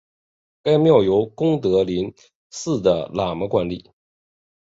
该庙由功德林寺的喇嘛管理。